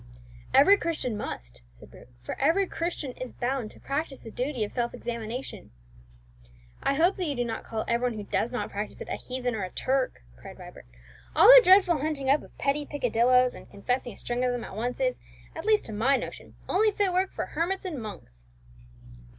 "Every Christian must," said Bruce; "for every Christian is bound to practise the duty of self examination." "I hope that you don't call every one who does not practise it a heathen or a Turk," cried Vibert. "All that dreadful hunting up of petty peccadilloes, and confessing a string of them at once, is, at least to my notion, only fit work for hermits and monks!"